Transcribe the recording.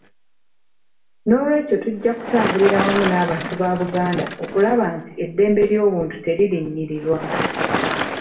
Noolwekyo tujja kutambulira wamu n'abantu ba Buganda okulaba nti eddembe ly'obuntu teririnnyirirwa.